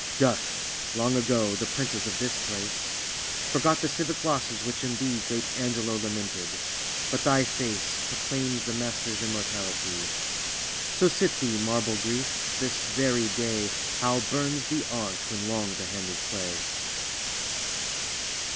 Dust, long ago, the princes of this place ; Forgot the civic losses which in thee Great Angelo lamented ; but thy face Proclaims the master's immortality! So sit thee, marble Grief ! this very day How burns the art when long the hand is clay